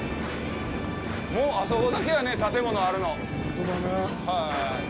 もうあそこだけやね、建物あるの。